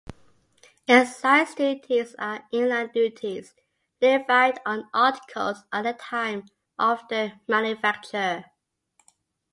Excise duties are inland duties levied on articles at the time of their manufacture.